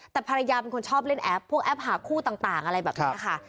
แต่ภรรยาเป็นคนชอบเล่นแอปพวกแอปหาคู่ต่างอะไรแบบนี้ค่ะ